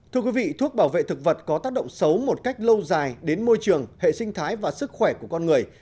thưa quý vị thuốc bảo vệ thực vật có tác động xấu một cách lâu dài đến môi trường hệ sinh thái và sức khỏe của con người